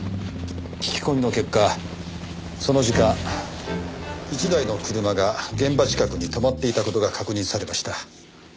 聞き込みの結果その時間１台の車が現場近くに止まっていた事が確認されました。